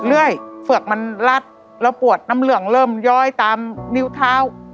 เลื่อยเฝือกมันรัดแล้วปวดน้ำเหลืองเริ่มย้อยตามนิ้วเท้า